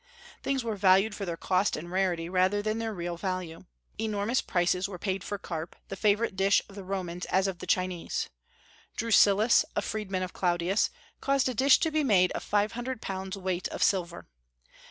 Things were valued for their cost and rarity rather than their real value. Enormous prices were paid for carp, the favorite dish of the Romans as of the Chinese. Drusillus, a freedman of Claudius, caused a dish to be made of five hundred pounds weight of silver.